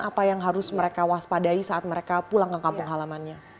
apa yang harus mereka waspadai saat mereka pulang ke kampung halamannya